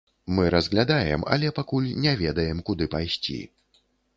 Мы разглядаем, але пакуль не ведаем, куды пайсці.